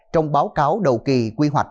trong báo cáo đầu kỳ quy hoạch